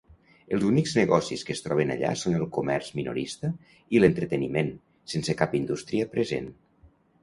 Els únics negocis que es troben allà són el comerç minorista i l'entreteniment, sense cap indústria present.